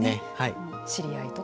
知り合いとか。